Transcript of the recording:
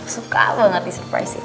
suka banget disurprising